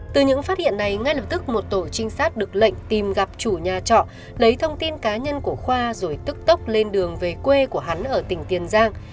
từ những phát hiện này ngay lập tức một tổ trinh sát được lệnh tìm gặp chủ nhà trọ lấy thông tin cá nhân của khoa rồi tức tốc lên đường về quê của hắn ở tỉnh tiền giang